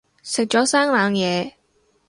食咗生冷嘢